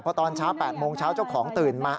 เพราะตอนเช้า๘โมงเจ้าของตื่นมา